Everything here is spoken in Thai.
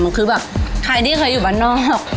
มันคือแบบไถ่ดี้เคยอยู่แบบนอก